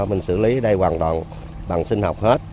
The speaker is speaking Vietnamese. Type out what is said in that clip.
mình xử lý đây hoàn toàn bằng sinh học hết